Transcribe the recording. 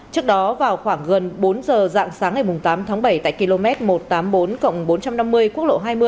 trước đó vào khoảng gần bốn giờ dạng sáng ngày tám tháng bảy tại km một trăm tám mươi bốn bốn trăm năm mươi quốc lộ hai mươi